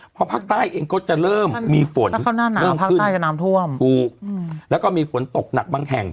เพราะภาคใต้เองก็จะเริ่มมีฝนเริ่มขึ้นแล้วก็มีฝนตกหนักบางแห่ง